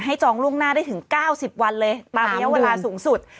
จองล่วงหน้าได้ถึง๙๐วันเลยตามระยะเวลาสูงสุด